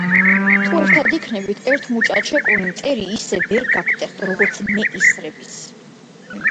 - თუ ერთად იქნებით, ერთ მუჭად შეკრული, მტერი ისე ვერ გაგტეხთ, როგორც მე ისრების